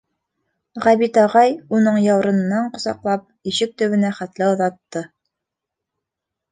Ғәбит ағай, уның яурынынан ҡосаҡлап, ишек төбөнә хәтле оҙатты.